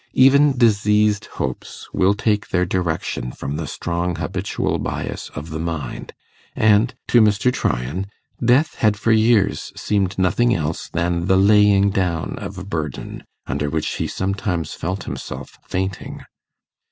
Even diseased hopes will take their direction from the strong habitual bias of the mind, and to Mr. Tryan death had for years seemed nothing else than the laying down of a burden, under which he sometimes felt himself fainting.